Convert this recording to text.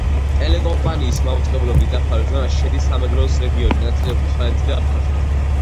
ტელეკომპანიის მაუწყებლობის დაფარვის ზონაში შედის სამეგრელოს რეგიონი, ნაწილობრივ სვანეთი და აფხაზეთი.